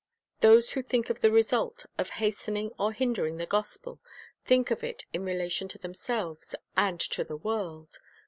1 Those who think of the result of hastening or hin dering the gospel think of it in relation to themselves and to the world.